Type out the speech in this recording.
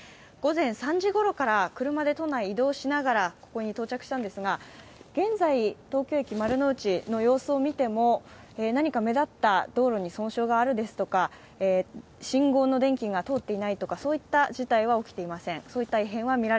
午前３時ごろから車で都内移動しながら、ここに到着したんですが、現在、東京駅丸の内の様子を見ても何か目立った道路に損傷があるですとか、信号の電気が通っていないとかそういった事態は起きていません。